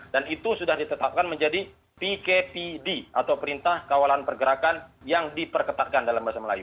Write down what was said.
dan itu sudah ditetapkan menjadi pkpd atau perintah kawalan pergerakan yang diperketatkan dalam bahasa melayu